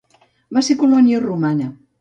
Va ser colònia romana.